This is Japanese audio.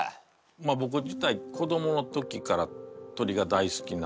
まあぼく自体子どもの時から鳥が大好きな。